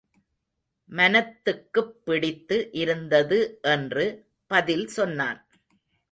மனத்துக்குப் பிடித்து இருந்தது என்று பதில் சொன்னான்.